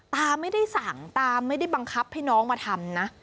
ตาไม่ได้สั่งตาไม่ได้บังคับให้น้องมาทำนะ